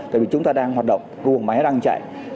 tại vì chúng ta đang hoạt động gồm máy đang chạy